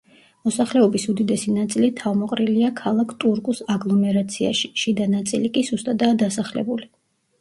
მოსახლეობის უდიდესი ნაწილი თავმოყრილია ქალაქ ტურკუს აგლომერაციაში, შიდა ნაწილი კი სუსტადაა დასახლებული.